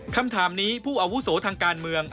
คำถามนี้ผู้อาวุโสทางการเมือง